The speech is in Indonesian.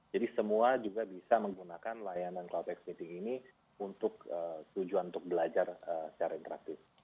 jadi semua juga bisa menggunakan layanan cloudx meeting ini untuk tujuan untuk belajar secara interaktif